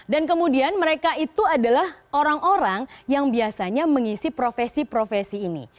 dan kemudian mereka itu adalah orang orang yang biasanya mengisi profesi profesi ini